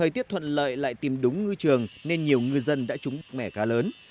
vậy lại tìm đúng ngư trường nên nhiều ngư dân đã trúng mẻ cá lớn